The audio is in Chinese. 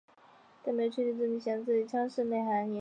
但没有确切证据显示这些腔室内含盐腺。